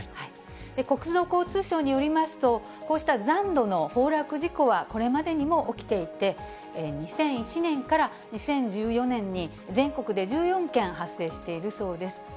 国土交通省によりますと、こうした残土の崩落事故は、これまでにも起きていて、２００１年から２０１４年に全国で１４件発生しているそうです。